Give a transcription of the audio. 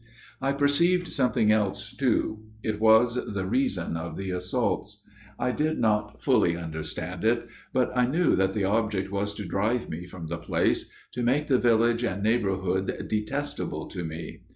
" I perceived something else too. It was the reason of the assaults. I did not fully understand it ; but I knew that the object was to drive me from the place to make the village and neigh bourhood detestable to me.